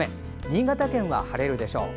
新潟県は晴れるでしょう。